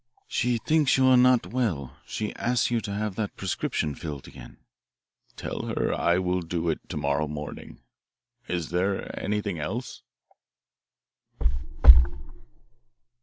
"She thinks you are not well. She asks you to have that prescription filled again." "Tell her I will do it to morrow morning. Is there anything else?"